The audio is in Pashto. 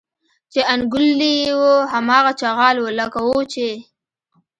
چې انګوللي یې وو هماغه چغال و لکه وو چې.